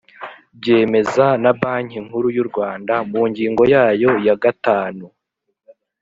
Byemeza na Banki Nkuru y’u Rwanda mu ngingo yayo ya gatanu